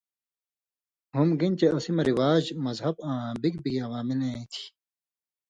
ہُم گِن چے اسی مہ رِواج، مذہب آں بِگ بِگ عوامِل ایں تھی